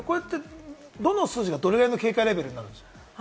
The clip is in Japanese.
どの数字がどれぐらいの警戒レベルなんですか？